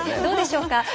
どうでしょうか。